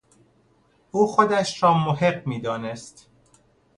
او خودش را محق میدانست